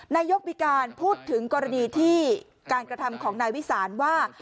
นายกมีการพูดถึงกรณีที่การกระทำของนายวิสานว่า